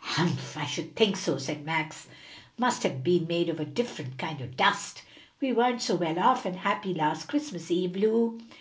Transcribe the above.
"Humph, I should think so," said Max, "must have been made of a different kind o' dust. We weren't so well off and happy last Christmas eve, Lu."